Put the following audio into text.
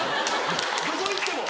どこ行っても。